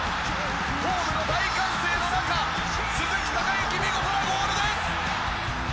ホームの大歓声の中鈴木隆行、見事なゴールです！